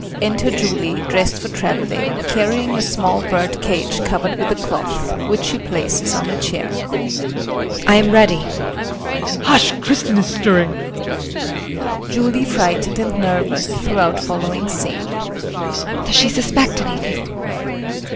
Enter Julie, dressed for travelling, carrying a small bird cage covered with a cloth, which she places on a chair.] JULIE. I am ready! JEAN. Hush, Kristin is stirring! [Julie frightened and nervous throughout following scene.] JULIE. Does she suspect anything?